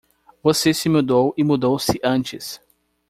Você se mudou e mudou-se antes.